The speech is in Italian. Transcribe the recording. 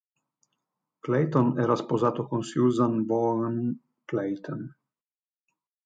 Clayton era sposato con Susan Vaughan Clayton.